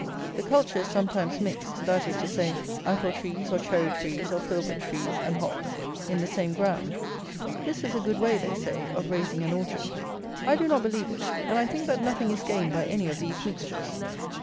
The culture is sometimes mixed: that is to say, apple trees or cherry trees or filbert trees and hops, in the same ground. This is a good way, they say, of raising an orchard. I do not believe it; and I think that nothing is gained by any of these mixtures.